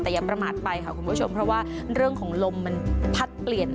แต่อย่าประมาทไปค่ะคุณผู้ชมเพราะว่าเรื่องของลมมันพัดเปลี่ยน